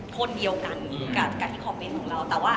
กว่าที่คอมเมนต์เรา